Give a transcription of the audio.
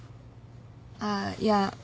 あっいや。